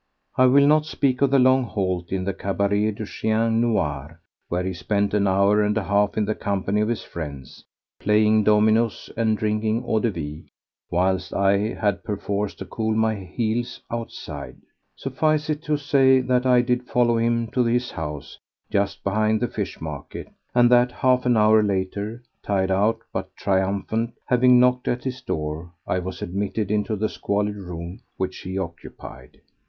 I will not speak of the long halt in the cabaret du Chien Noir, where he spent an hour and a half in the company of his friends, playing dominoes and drinking eau de vie whilst I had perforce to cool my heels outside. Suffice it to say that I did follow him to his house just behind the fish market, and that half an hour later, tired out but triumphant, having knocked at his door, I was admitted into the squalid room which he occupied.